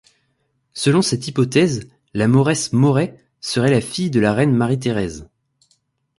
Selon cette hypothèse la mauresse Moret serait la fille de la reine Marie-Thérèse.